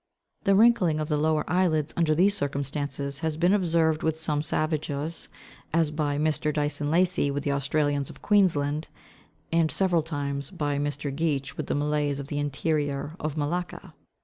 The wrinkling of the lower eyelids under these circumstances has been observed with some savages, as by Mr. Dyson Lacy with the Australians of Queensland, and several times by Mr. Geach with the Malays of the interior of Malacca.